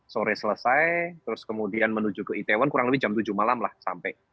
sore selesai terus kemudian menuju ke itaewon kurang lebih jam tujuh malam lah sampai